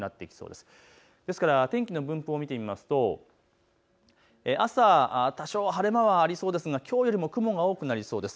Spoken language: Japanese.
ですから天気の分布で見てみると朝、多少晴れ間はありそうですがきょうよりも雲が多くなりそうです。